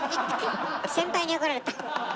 先輩に怒られた。